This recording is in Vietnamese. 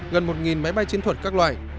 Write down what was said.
gần một máy bay chiến thuật các loại